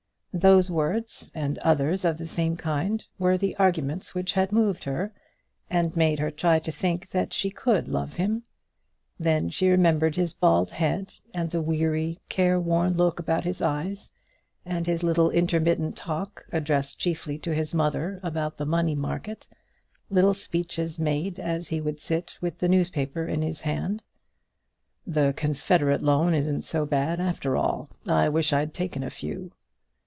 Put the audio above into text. Those words and others of the same kind were the arguments which had moved her, and made her try to think that she could love him. Then she remembered his bald head and the weary, careworn look about his eyes, and his little intermittent talk, addressed chiefly to his mother, about the money market, little speeches made as he would sit with the newspaper in his hand: "The Confederate loan isn't so bad, after all. I wish I'd taken a few."